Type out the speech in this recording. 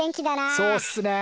そうっすね。